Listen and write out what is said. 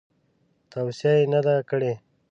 توصیه یې نه ده کړې.